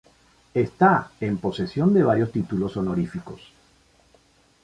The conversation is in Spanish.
Está en posesión de varios títulos honoríficos.